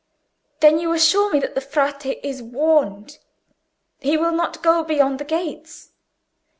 "Then you assure me that the Frate is warned—he will not go beyond the gates?"